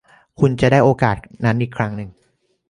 คุณจะได้โอกาสนั้นอีกครั้ง